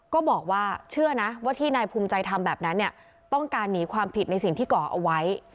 ก็บอกว่าเชื่อนะว่าที่นายภูมิใจทำแบบนั้นเนี่ยต้องการหนีความผิดในสิ่งที่ก่อเอาไว้